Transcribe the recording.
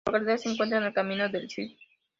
La localidad se encuentra en el Camino del Cid.